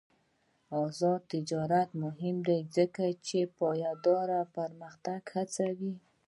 آزاد تجارت مهم دی ځکه چې پایداره پرمختګ هڅوي.